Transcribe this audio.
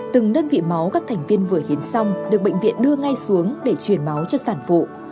từng đơn vị máu các thành viên vừa hiến xong được bệnh viện đưa ngay xuống để chuyển máu cho sản phụ